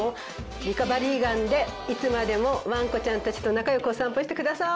リカバリーガンでいつまでもワンコちゃんたちと仲良くお散歩してくださーい。